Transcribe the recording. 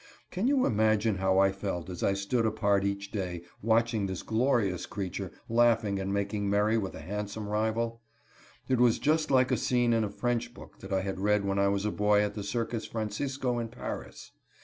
Can you imagine how I felt as I stood apart each day, watching this glorious creature laughing and making merry with a handsome rival? It was just like a scene in a French book that I had read when I was a boy at the Circus Francisco in Paris.